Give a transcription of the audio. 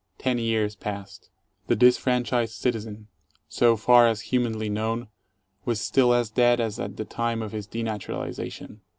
Ten years passed. The disfranchised citizen, so far as humanly known, was still as dead as at the time of his denaturalization.